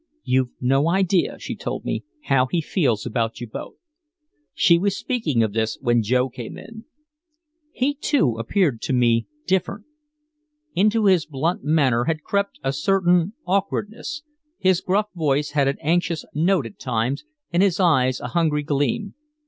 "You've no idea," she told me, "how he feels about you both." She was speaking of this when Joe came in. He, too, appeared to me different. Into his blunt manner had crept a certain awkwardness, his gruff voice had an anxious note at times and his eyes a hungry gleam.